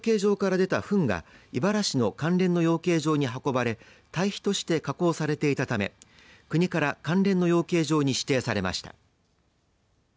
この養鶏場から出たふんが井原市の関連で養鶏場に運ばれたい肥として加工されているため国から関連の養鶏場に指定されました。